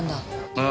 ああ。